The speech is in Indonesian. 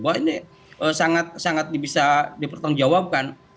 bahwa ini sangat sangat bisa dipertanggungjawabkan